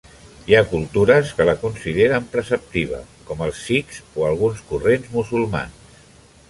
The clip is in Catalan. Hi ha cultures que la consideren preceptiva, com els sikhs o alguns corrents musulmans.